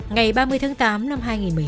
ngày ba mươi tháng tám năm hai nghìn một mươi chín